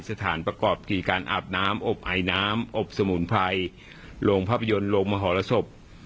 สถานประกอบกิจการอาบน้ำอบไอน้ำอบสมุนไพรโรงภาพยนตร์โรงมหรสบ